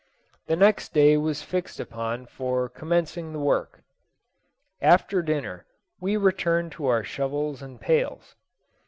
The next day was fixed upon for commencing the work. After dinner we returned to our shovels and pails.